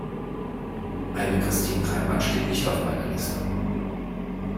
Eine Christin Reimann steht nicht auf meiner Liste.